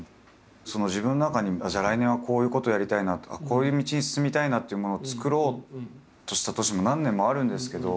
自分の中にじゃあ来年はこういうことやりたいなとかこういう道に進みたいなというものを作ろうとした年も何年もあるんですけど。